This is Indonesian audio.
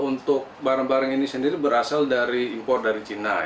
untuk barang barang ini sendiri berasal dari impor dari cina